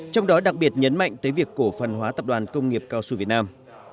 trong đó đặc biệt nhấn mạnh tới việc cổ phần hóa tập đoàn công nghiệp cao su việt nam